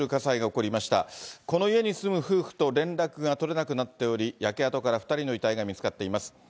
この家に住む夫婦と連絡が取れなくなっており、焼け跡から２人の遺体が見つかっています。